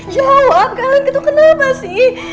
jawab kan gitu kenapa sih